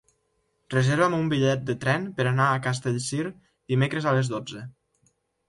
Reserva'm un bitllet de tren per anar a Castellcir dimecres a les dotze.